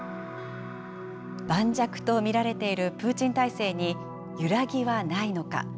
盤石と見られているプーチン体制に揺らぎはないのか。